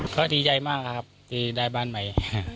ก็ดีใจมากครับที่ได้บ้านใหม่